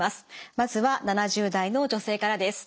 まずは７０代の女性からです。